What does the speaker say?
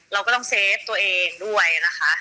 เราก็ต้องเซฟตัวเองด้วยนะคะ